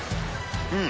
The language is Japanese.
うん。